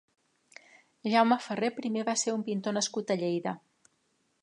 Jaume Ferrer primer va ser un pintor nascut a Lleida.